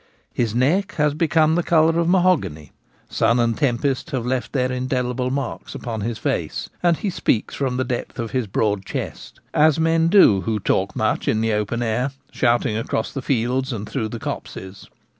His neck has become the colour of mahogany, sun and tempest have left their indelible marks upon his face ; and he speaks from the depths of his broad chest, as men do who talk much in the open air, shouting across the fields and through the copses.